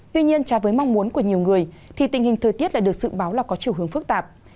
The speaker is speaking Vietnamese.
tuy nhiên trái với mong muốn của nhiều người thì tình hình thời tiết lại được dự báo là có chiều hướng phức tạp